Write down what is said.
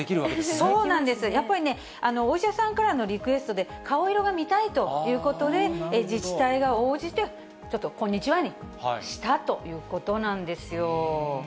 そうなんです、やっぱりね、お医者さんからのリクエストで、顔色が見たいということで、自治体が応じて、ちょっとこんにちはにしたということなんですよ。